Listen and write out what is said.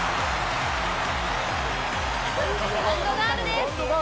ラウンドガールです。